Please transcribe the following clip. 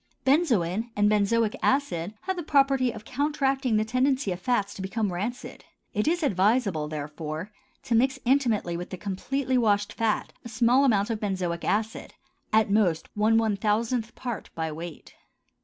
Benzoin and benzoic acid have the property of counteracting the tendency of fats to become rancid; it is advisable, therefore, to mix intimately with the completely washed fat a small amount of benzoic acid, at most one one thousandth part by weight.